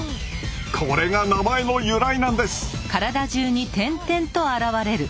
これが名前の由来なんです。